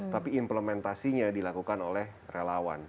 tapi implementasinya dilakukan oleh relawan